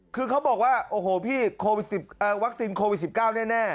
คือเขาบอกว่าโอ้โหพี่วัคซีนโควิด๑๙แน่